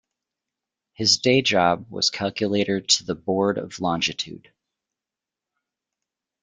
His day job was Calculator to the Board of Longitude.